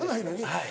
はい。